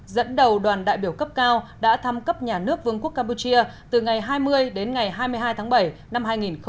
dẫn đầu đoàn đại biểu cấp cao đã thăm cấp nhà nước vương quốc campuchia từ ngày hai mươi đến ngày hai mươi hai tháng bảy năm hai nghìn một mươi chín